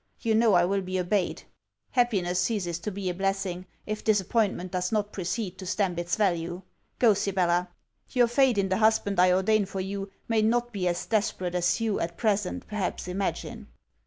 You know I will be obeyed. Happiness ceases to be a blessing, if disappointment does not precede, to stamp its value. Go, Sibella. Your fate in the husband I ordain for you may not be as desperate as you, at present, perhaps, imagine.'